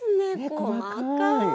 ね細かい！